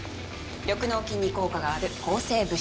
緑膿菌に効果がある抗生物質。